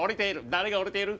誰が降りている？